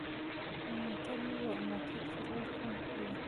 په موټروی موټر چلول خوند کوي